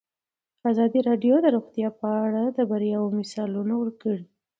ازادي راډیو د روغتیا په اړه د بریاوو مثالونه ورکړي.